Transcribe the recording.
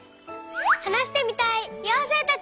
はなしてみたいようせいたち！